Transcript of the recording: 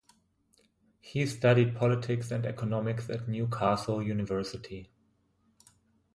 He studied politics and economics at Newcastle University.